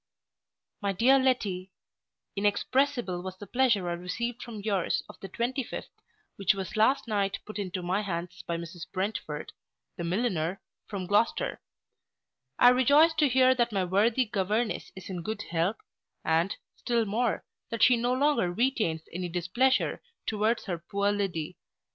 MY DEAR LETTY, Inexpressible was the pleasure I received from yours of the 25th, which was last night put into my hands by Mrs Brentford, the milliner, from Gloucester I rejoice to hear that my worthy governess is in good health, and, still more, that she no longer retains any displeasure towards her poor Liddy.